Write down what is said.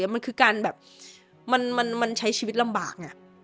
มันคือการใช้ชีวิตลำบาก